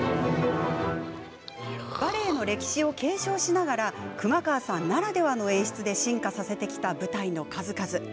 バレエの歴史を継承しながら熊川さんならではの演出で進化させてきた舞台の数々。